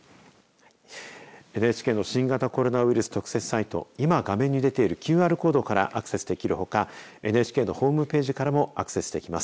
ＮＨＫの新型コロナウイルス特設サイト、今、画面に出ているＱＲコードからアクセスできるほかＮＨＫのホームページからもアクセスできます。